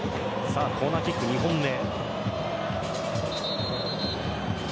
コーナーキック、２本目。